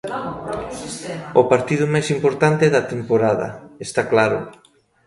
O partido máis importante da temporada, está claro.